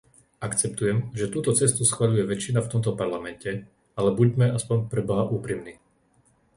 Akceptujem, že túto cestu schvaľuje väčšina v tomto Parlamente, ale buďme aspoň, preboha, úprimní!